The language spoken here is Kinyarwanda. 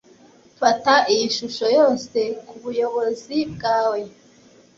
Fata iyi shusho yose kubuyobozi bwawe